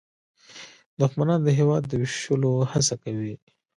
دښمنان د هېواد د ویشلو هڅه کوي